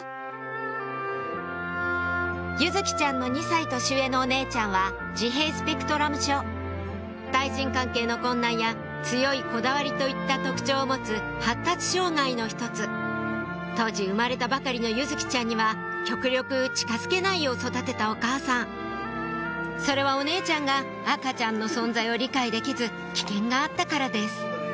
柚來ちゃんの２歳年上のお姉ちゃんは対人関係の困難や強いこだわりといった特徴を持つ発達障害の一つ当時生まれたばかりの柚來ちゃんには極力近づけないよう育てたお母さんそれはお姉ちゃんが赤ちゃんの存在を理解できず危険があったからです